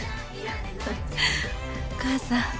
お母さん。